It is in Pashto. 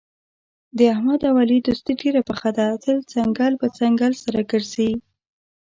د احمد او علي دوستي ډېره پخه ده، تل څنګل په څنګل سره ګرځي.